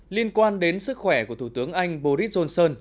liên quan đến sức khỏe của thủ tướng anh boris johnson